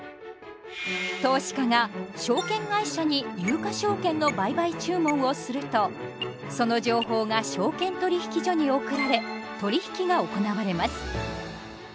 投資家が証券会社に有価証券の売買注文をするとその情報が証券取引所に送られ取引が行われます。